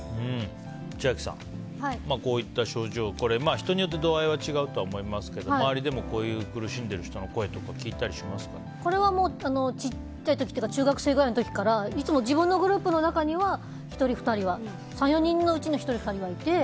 千秋さん、こういった症状人によって度合いは違うと思いますが周りでもこういう苦しんでる人の声とかこれはもう小さい時というか中学生くらいの時からいつも自分のグループの中には３４人のうち１人２人はいて。